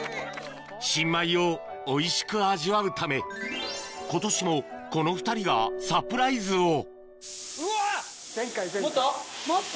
新米をおいしく味わうため今年もこの２人がサプライズをもっと？